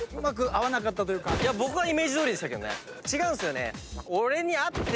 僕はイメージどおりでした違うんすよね。